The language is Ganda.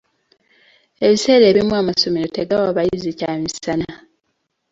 Ebiseera ebimu amasomero tegawa bayizi kyamisana.